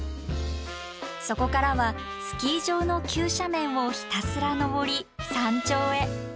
そこからはスキー場の急斜面をひたすら登り山頂へ。